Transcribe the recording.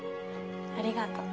ありがと。